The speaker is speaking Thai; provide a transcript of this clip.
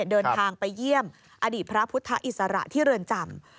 เดินทางไปเยี่ยมอดีตพระพุทธอิสระที่เรือนจำ